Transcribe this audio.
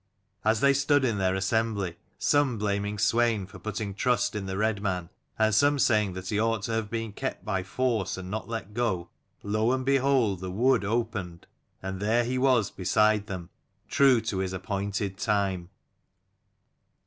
As they stood in their assembly, some blaming Swein for putting trust in the red man, and some saying that he ought to have been kept by force and not let go, lo and behold the wood opened, and there he was beside them, true to his appointed time.